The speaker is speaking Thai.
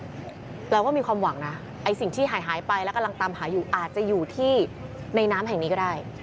เราก็มีความหวังนะไอ้สิ่งที่หายไปแล้วกำลังตามหาอยู่อาจจะอยู่ที่ในน้ำแห่งนี้ก็ได้